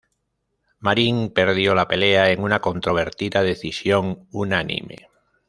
Marín perdió la pelea en una controvertida decisión unánime.